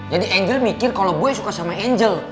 jadi angel mikir kalau boy suka sama angel